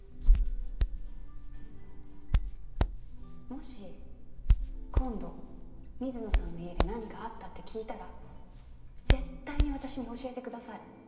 もし今度水野さんの家で何かあったって聞いたら絶対に私に教えてください。